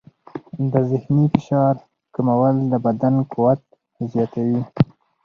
د ذهني فشار کمول د بدن قوت زیاتوي.